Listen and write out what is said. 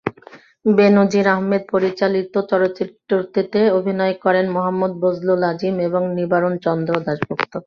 বে-নজীর আহমদ পরিচালিত চলচ্চিত্রটিতে অভিনয় করেন মোহাম্মদ ফজলুল আজিম এবং নিবারণচন্দ্র দাশগুপ্ত।